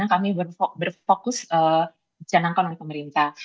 yang kami berfokus menjanangkan oleh pemerintah